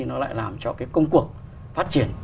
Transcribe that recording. nó lại làm cho cái công cuộc phát triển